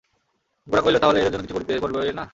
গোরা কহিল, তা হলে এদের জন্যে কিছুই করবে না?